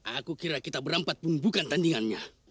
aku kira kita berempat pun bukan tandingannya